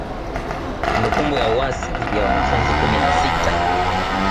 Kumbukumbu ya uasi dhidi ya wanafunzi kumi na sita